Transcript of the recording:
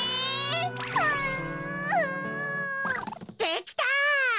できた！